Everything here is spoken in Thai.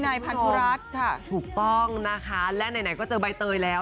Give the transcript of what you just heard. นายพันธุรัฐค่ะถูกต้องนะคะและไหนก็เจอใบเตยแล้ว